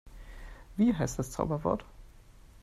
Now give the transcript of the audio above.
Wie heißt das Zauberwort?